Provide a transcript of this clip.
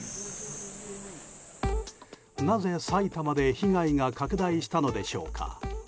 なぜ、埼玉で被害が拡大したのでしょうか。